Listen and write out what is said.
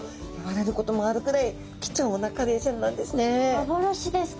幻ですか？